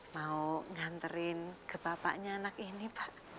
mau nganterin ke bapaknya anak ini pak